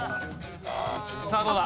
さあどうだ？